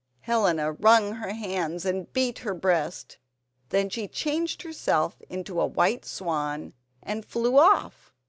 Helena wrung her hands and beat her breast. Then she changed herself into a white swan and flew off.